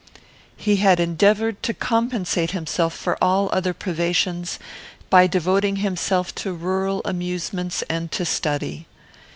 He had endeavoured to compensate himself for all other privations, by devoting himself to rural amusements and to study.